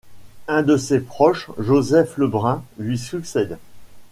Un de ses proches, Joseph Lebrun, lui succède.